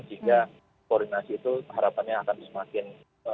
sehingga koordinasi itu harapannya akan semakin